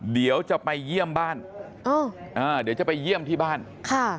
เดี๋ยวจะไปเยี่ยมบ้านอ๋ออ่าเดี๋ยวจะไปเยี่ยมที่บ้านค่ะ